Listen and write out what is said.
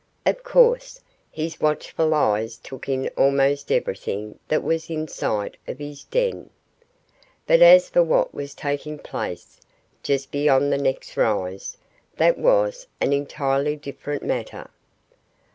Of course, his watchful eyes took in almost everything that was in sight of his den. But as for what was taking place just beyond the next rise, that was an entirely different matter.